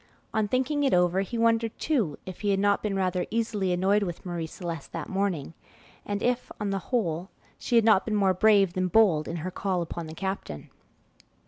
On thinking it over, he wondered too if he had not been rather easily annoyed with Marie Celeste that morning, and if, on the whole, she had not been more brave than bold in her call upon the captain..